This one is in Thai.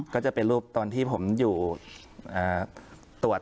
ก็จะเป็นรูปตอนที่ผมอยู่ตรวจ